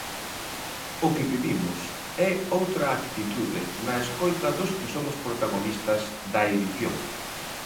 O que pedimos é outra actitude na escoita dos que somos protagonistas da edición.